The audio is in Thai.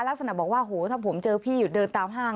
ลักษณะบอกว่าโหถ้าผมเจอพี่อยู่เดินตามห้าง